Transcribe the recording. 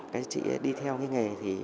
cái chị đi theo cái nghề